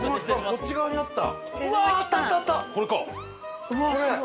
こっち側にあった。